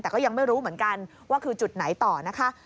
แต่ก็ยังไม่รู้เหมือนกันว่าคือจุดไหนต่อนะคะ